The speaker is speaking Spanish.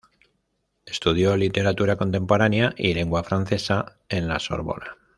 Estudió literatura contemporánea y lengua francesa en la Sorbona.